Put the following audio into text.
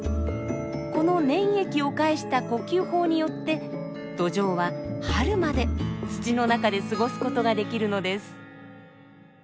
この粘液を介した呼吸法によってドジョウは春まで土の中で過ごす事ができるのです。